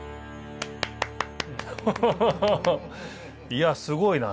いやすごいな。